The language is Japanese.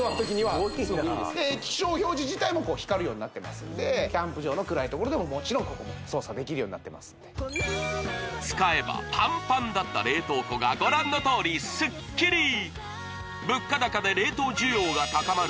すごいなあ液晶表示自体も光るようになってますんでキャンプ場の暗いところでももちろん操作できるようになってますんで使えばパンパンだった冷凍庫がご覧のとおりすっきり物価高で冷凍需要が高まる